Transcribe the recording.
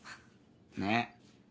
ねっ。